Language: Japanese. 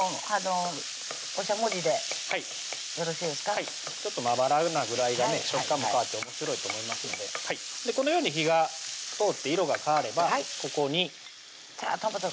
はいちょっとまばらなぐらいがね食感も変わっておもしろいと思いますのでこのように火が通って色が変わればここにトマトが入ります